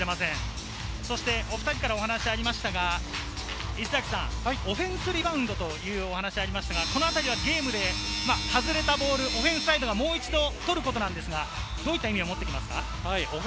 お２人から話がありましたが、オフェンスリバウンドという話、このあたりはゲームで外れたボールをオフェンスがもう一度取ることなんですけれども、どういった意味を持ってきますか？